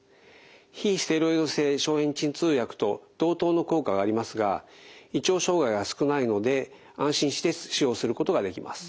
非ステロイド性消炎鎮痛薬と同等の効果がありますが胃腸障害が少ないので安心して使用することができます。